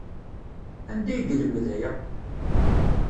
Anda ay yelmed aya?